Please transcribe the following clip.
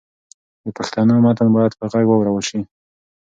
د پښتو متن باید په ږغ واړول شي.